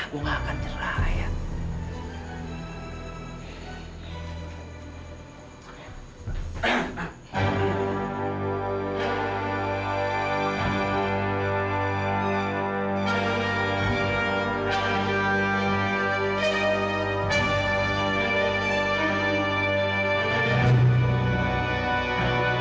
gue gak akan jelah gue gak akan jelah ayah